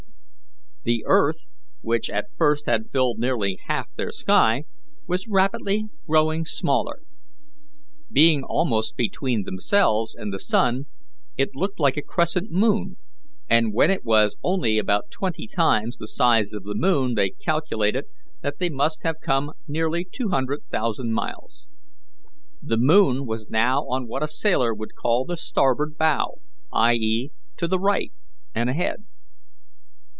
The earth, which at first had filled nearly half their sky, was rapidly growing smaller. Being almost between themselves and the sun, it looked like a crescent moon; and when it was only about twenty times the size of the moon they calculated they must have come nearly two hundred thousand miles. The moon was now on what a sailor would call the starboard bow i. e., to the right and ahead.